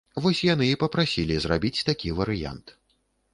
Вось яны і папрасілі зрабіць такі варыянт.